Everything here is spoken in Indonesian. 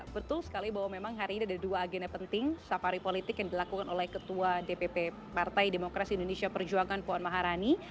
betul sekali bahwa memang hari ini ada dua agenda penting safari politik yang dilakukan oleh ketua dpp partai demokrasi indonesia perjuangan puan maharani